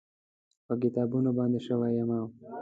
په کتابونو باندې سوی یمه